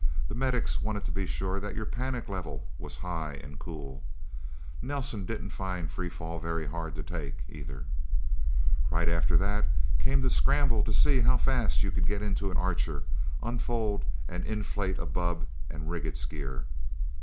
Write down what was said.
The medics wanted to be sure that your panic level was high and cool. Nelsen didn't find free fall very hard to take, either. Right after that came the scramble to see how fast you could get into an Archer, unfold and inflate a bubb and rig its gear.